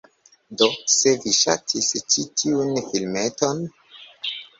Do, se vi ŝatis ĉi tiun filmeton..